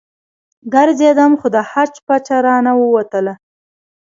ګرځېدم خو د حج پچه رانه ووتله.